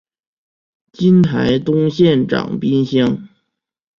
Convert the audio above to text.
今台东县长滨乡。